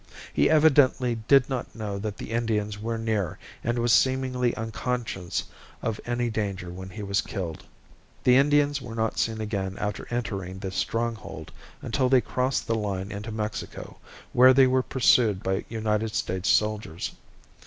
He evidently did not know that the Indians were near and was seemingly unconscious of any danger when he was killed. The Indians were not seen again after entering the stronghold until they crossed the line into Mexico, where they were pursued by United States soldiers.